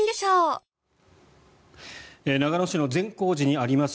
長野市の善光寺にあります